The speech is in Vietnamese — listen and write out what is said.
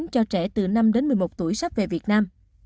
cho trẻ từ năm đến một mươi một tuổi sắp về việt nam